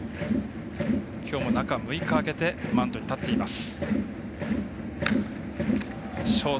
きょうも中６日空けてマウンドに立っています。